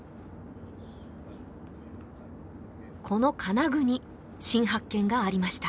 この金具に新発見がありました